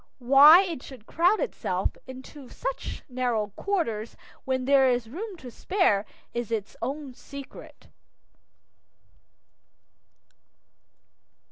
Why it should crowd itself into such narrow quarters when there is room to spare is its own secret.